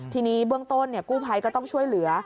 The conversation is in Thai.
ทีนี้เบื้องต้นกู้ภัยก็ต้องช่วยเหลือ